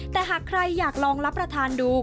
แต่หากใครอยากลองรับประทานดู